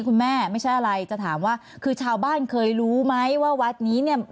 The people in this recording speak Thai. ไม่ใช่อะไรจะถามว่าคือชาวบ้านเคยรู้ไหมว่าวัดนี้เนี่ย